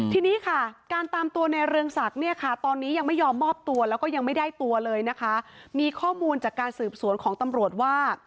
ทีนี้ค่ะการตามตัวในเรืองศักดิ์เนี่ยค่ะตอนนี้ยังไม่ยอมมอบตัวแล้วก็ยังไม่ได้ตัวเลยนะคะมีข้อมูลจากการสืบสวนของตำรวจว่า